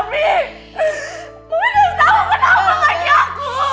mami enggak tahu kenapa kaki aku